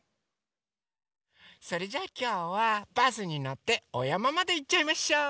それじゃあきょうはバスにのっておやままでいっちゃいましょう！